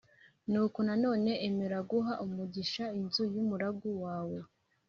Nuko none emera guha umugisha inzu y’umugaragu wawe